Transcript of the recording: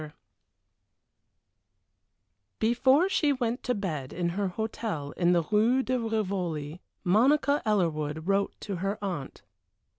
VI Before she went to bed in her hotel in the Rue de Rivoli, Monica Ellerwood wrote to her aunt.